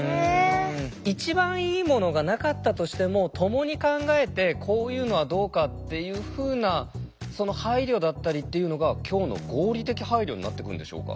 一番いいものがなかったとしても共に考えてこういうのはどうかっていうふうなその配慮だったりっていうのが今日の合理的配慮になってくるんでしょうか？